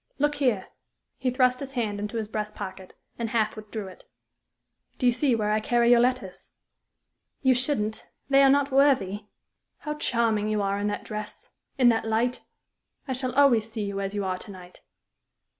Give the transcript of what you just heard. "Look here!" He thrust his hand into his breast pocket and half withdrew it. "Do you see where I carry your letters?" "You shouldn't they are not worthy." "How charming you are in that dress in that light! I shall always see you as you are to night."